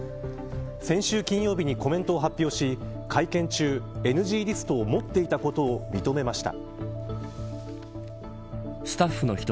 先週金曜日にコメントを発表し会見中、ＮＧリストを持っていたことを認めました。